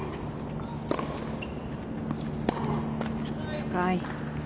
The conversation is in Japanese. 深い。